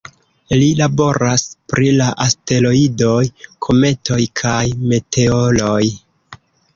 Li laboras pri la asteroidoj, kometoj kaj meteoroj.